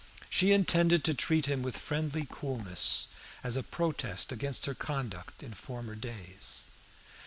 She intended to treat him with friendly coolness, as a protest against her conduct in former days.